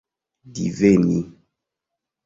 diveni